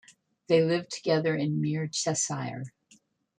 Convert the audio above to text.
They live together in Mere, Cheshire.